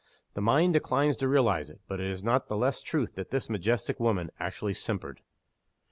The mind declines to realize it; but it is not the less true that this majestic woman actually simpered!